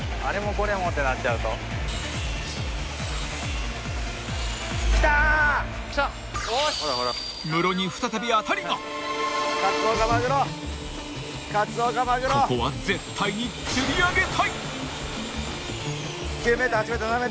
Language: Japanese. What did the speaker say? ［ここは絶対に釣り上げたい］